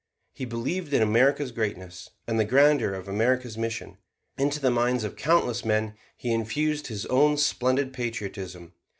He believed in America's greatness and the grandeur of America's mission. Into the minds of countless men he infused his own splendid patriotism.